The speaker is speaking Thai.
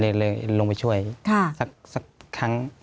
เลยลงไปช่วยสักครั้ง